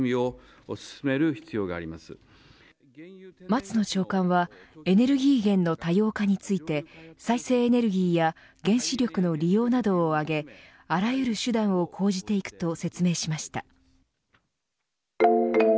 松野長官はエネルギー源の多様化について再生エネルギーや原子力の利用などを挙げあらゆる手段を講じていくと説明しました。